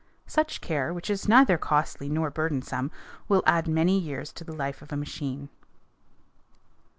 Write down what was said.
Such care, which is neither costly nor burdensome, will add many years to the life of a machine.